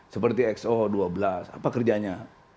seperti exo dua belas apa kerjanya